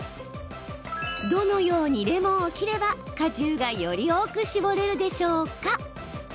どのようにレモンを切れば果汁がより多く搾れるでしょうか。